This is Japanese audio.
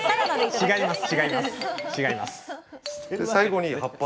違います。